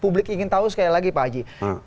publik ingin tahu sekali lagi pak haji